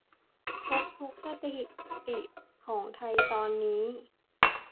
ทุบทุกสถิติของไทยตอนนี้